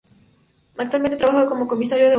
Actualmente trabaja como comisario de a bordo.